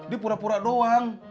dia pura pura doang